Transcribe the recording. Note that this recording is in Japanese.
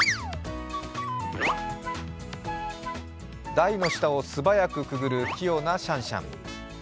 台の下を素早くくぐる器用なシャンシャン。